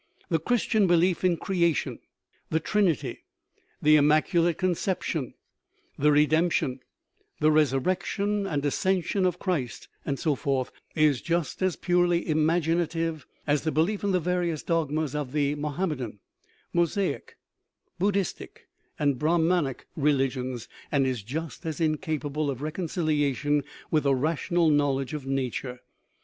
The Christian be lief in Creation, the Trinity, the Immaculate Concep tion, the Redemption, the Resurrection and Ascension of Christ, and so forth, is just as purely imaginative as the belief in the various dogmas of the Mohammedan, Mosaic, Buddhistic, and Brahmanic religions, and is just as incapable of reconciliation with a rational knowl edge of nature.